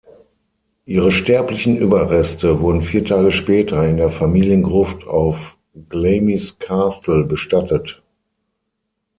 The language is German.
Ihre sterblichen Überreste wurden vier Tage später in der Familiengruft auf Glamis Castle bestattet.